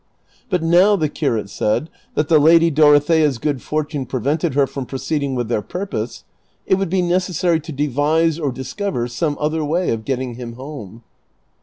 But now, the curate said, that the lady Dorothea's good fortune prevented her from pro ceeding with their purpose, it would be necessary to devise or discover some other way of getting him home.